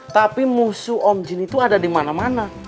tapi musuh om jin itu ada di mana mana